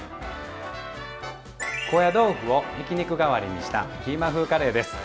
高野豆腐をひき肉代わりにしたキーマ風カレーです。